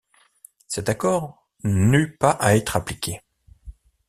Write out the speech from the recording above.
Cet accord n'eut pas à être appliqué.